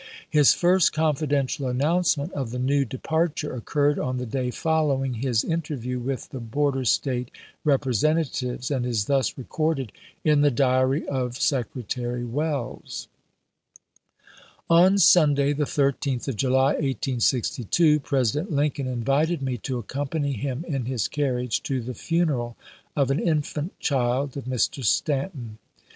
His first confidential announcement of the new departure occurred on the day following his interview with the border State Representatives, and is thus recorded in the diary of Secretary Welles : On Sunday, the 13th of July, 1862, President Lincoln invited me to accompany him in his carriage to the fu neral of an infant child of Mr. Stanton.